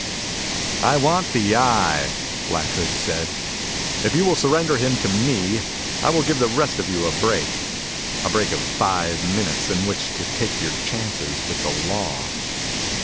"I want the Eye," Black Hood said. "If you will surrender him to me, I will give the rest of you a break a break of five minutes in which to take your chances with the law."